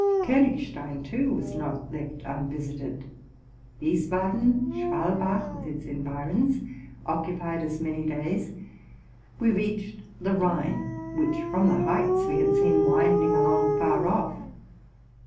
K6nigstein, too, was not left unvisited; Wiesbaden, Schwalbach, with its environs, occupied us many days; we reached the Rhine, which, from the heights, we had seen winding along far off.